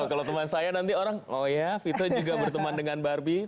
kalau teman saya nanti orang oh ya vito juga berteman dengan barbie